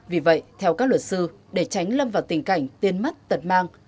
vì vậy theo các luật sư để tránh lâm vào tình cảnh tiền mất tật mang